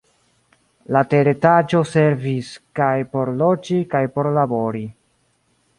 La teretaĝo servis kaj por loĝi kaj por labori.